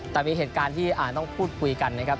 แต่มีเหตุการณ์ที่อาจต้องพูดคุยกันนะครับ